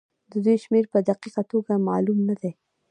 د دوی شمېر په دقيقه توګه معلوم نه دی.